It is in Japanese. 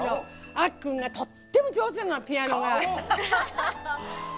あっくんがとっても上手なの。